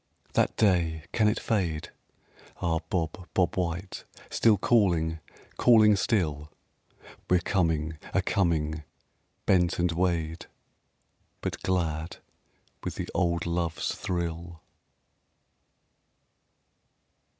That day, can it fade?... ah, bob, bob white, Still calling calling still? We're coming a coming, bent and weighed, But glad with the old love's thrill!